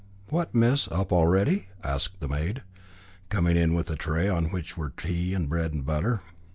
"What, miss, up already?" asked the maid, coming in with a tray on which were tea and bread and butter.